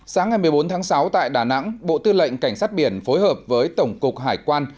sáng ngày một mươi bốn tháng sáu tại đà nẵng bộ tư lệnh cảnh sát biển phối hợp với tổng cục hải quan